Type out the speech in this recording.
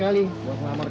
tapi sudah habis selesai